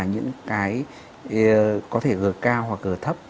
những cái có thể gờ cao hoặc gờ thấp